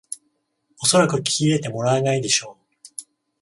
おそらく聞き入れてもらえないでしょう